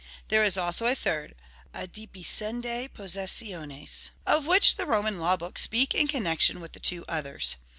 There is also a third, adipiscendae possessionis, of which the Roman law books speak in connection with the two others.